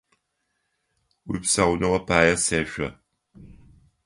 Уипсауныгъэ пае сешъо!